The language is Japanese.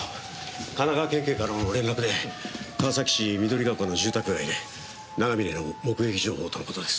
神奈川県警からの連絡で川崎市緑ヶ丘の住宅街で長嶺の目撃情報との事です。